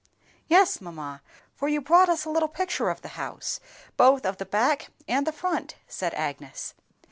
"Yes, mamma, for you brought us little pictures of the house, both of the back and the front," said Agnes.